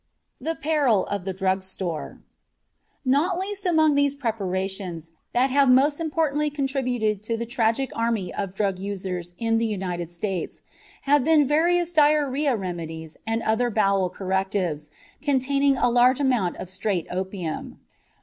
THE PERIL OF THE DRUG STORE Not least among these preparations that have most importantly contributed to the tragic army of drug users in the United States have been various diarrhea remedies and other bowel correctives containing a large amount of straight opium.